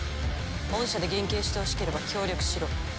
恩赦で減刑してほしければ協力しろ。